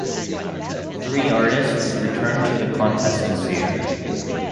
Three artists returned to the contest this year.